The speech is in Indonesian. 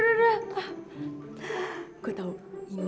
gue tau ini kan hari kerjanya opi